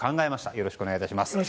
よろしくお願いします。